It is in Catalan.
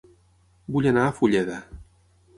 Vull anar a Fulleda